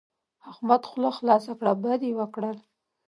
احمد خوله خلاصه کړه؛ بد يې وکړل.